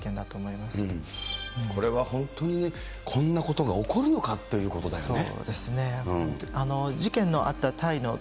これは本当に、こんなことが起こるのかということだよね。